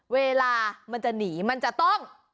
เวลามันจะหนีมันจะต้อง